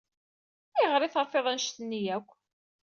Ayɣer ay terfiḍ anect-nni akk?